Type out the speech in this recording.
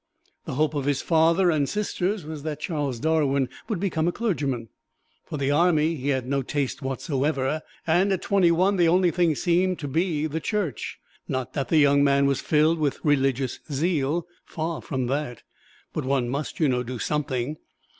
The hope of his father and sisters was that Charles Darwin would become a clergyman. For the army he had no taste whatsoever, and at twenty one the only thing seemed to be the Church. Not that the young man was filled with religious zeal far from that but one must, you know, do something.